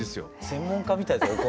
専門家みたいですよ